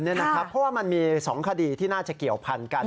เพราะว่ามันมี๒คดีที่น่าจะเกี่ยวพันกัน